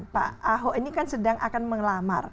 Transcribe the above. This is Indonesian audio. pak ahok ini kan sedang akan mengelamar